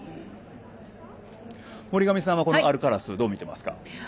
森上さんはアルカラスをどう見ていますか？